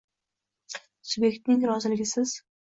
Subyektning roziligisiz